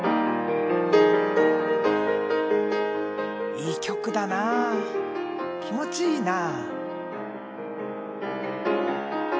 いい曲だな気持ちいいなあ。